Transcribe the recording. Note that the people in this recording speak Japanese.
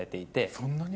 そんなに？